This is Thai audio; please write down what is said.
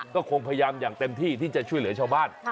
ก็คงพยายามอย่างเต็มที่ที่จะช่วยเหลือชาวบ้าน